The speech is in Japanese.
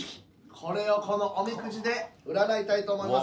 これをこのおみくじで占いたいと思います。